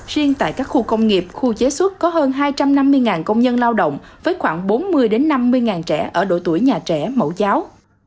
riêng tại các khu công nghiệp khu chế xuất có hơn hai trăm năm mươi công nhân lao động với khoảng bốn mươi năm mươi trẻ ở độ tuổi nhà trẻ mẫu giáo